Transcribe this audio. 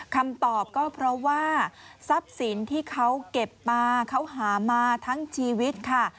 คำตอบก็เพราะว่าทรัพย์สินที่เขาเก็บมาเขาหามาทั้งชีวิตค่ะ